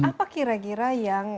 apa kira kira yang